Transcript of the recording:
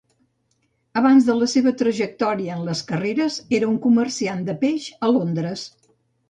Abans de la seva trajectòria en les carreres, era un comerciant de peix a Londres.